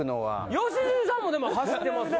良純さんもでも走ってますね。